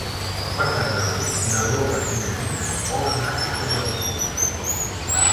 Per Sant Jordi na Lola i na Nina volen anar a Castelló d'Empúries.